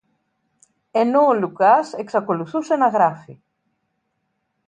Ενώ ο Λουκάς εξακολουθούσε να γράφει